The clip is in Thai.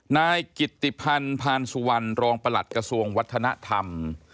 นายกิตติพันธ์พานสุวรรณรองประหลัดกระทรวงวัฒนธรรม